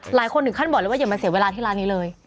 หลายคนถึงขั้นบอกเลยว่าอย่ามาเสียเวลาที่ร้านนี้เลย